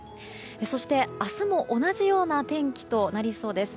そして、明日も同じような天気となりそうです。